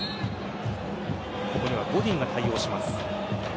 ここにはゴディンが対応します。